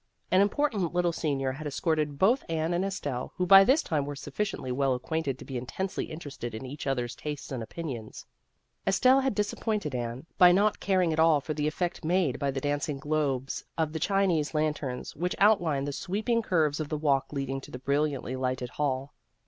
An important little senior had escorted both Anne and Estelle, who by this time were sufficiently well ac quainted to be intensely interested in each other's tastes and opinions. Estelle had disappointed Anne by not caring at all for the effect made by the dancing globes of the Chinese lanterns which outlined the A Case of Incompatibility 139 sweeping curves of the walk leading to the brilliantly lighted hall.